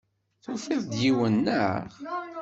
Tufid-d yiwen, naɣ?